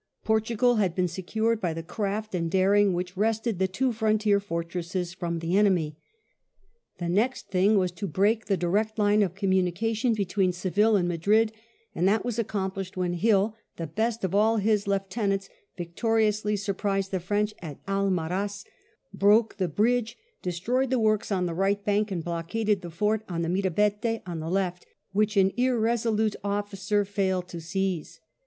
Portugal had been secured by the craft and daring which wrested the two frontier fortresses from the enemy. The next thing was to break the direct line of communication between Seville and Madrid, and that was accomplished when Hill, the best of all his lieutenants, victoriously surprised the French at Almaraz, broke the bridge, destroyed the works on the right bank, and blockaded the fort on the Mirabete on the left, which an irresolute officer failed to seize.